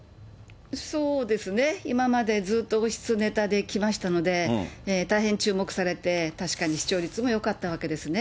そうですね、今までずっと王室ネタできましたので、大変注目されて、確かに視聴率もよかったわけですね。